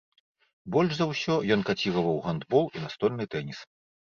Больш за ўсё ён каціраваў гандбол і настольны тэніс.